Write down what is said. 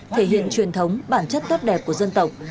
thể hiện truyền thống bản chất tốt đẹp của dân tộc